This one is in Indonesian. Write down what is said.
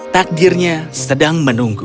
takdirnya sedang menunggu